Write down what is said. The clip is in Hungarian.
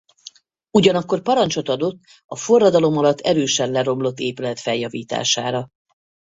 Ugyanakkor parancsot adott a forradalom alatt erősen leromlott épület feljavítására.